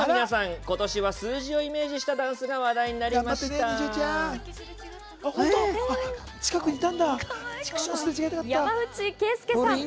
今年は数字をイメージしたダンスが話題になりました山内惠介さん。